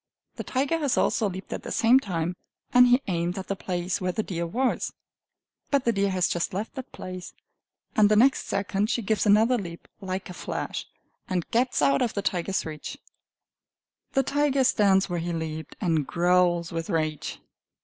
The tiger has also leaped at the same time, and he aimed at the place where the deer was. But the deer has just left that place, and the next second she gives another leap, like a flash, and gets out of the tiger's reach. The tiger stands where he leaped, and growls with rage.